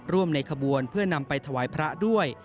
ในขบวนเพื่อนำไปถวายพระด้วย